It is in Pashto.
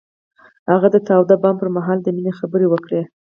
هغه د تاوده بام پر مهال د مینې خبرې وکړې.